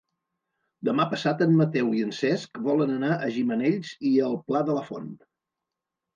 Demà passat en Mateu i en Cesc volen anar a Gimenells i el Pla de la Font.